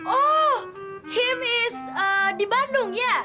oh him is di bandung ya